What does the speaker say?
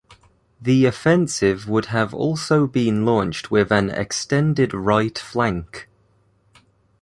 The offensive would have also been launched with an extended right flank.